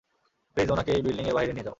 Please, উনাকে এই building এর বাহিরে নিয়ে যাও।